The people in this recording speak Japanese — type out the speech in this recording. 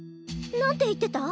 何て言ってた！？